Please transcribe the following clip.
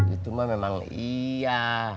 itu mah memang iya